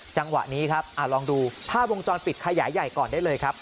จังหวะนี้ครับลองดูภาพวงจรปิดขยายใหญ่ก่อนได้เลยครับ